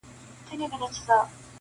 لکه غشې هسي تښتي له مکتبه -